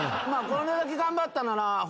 これだけ頑張ったなら。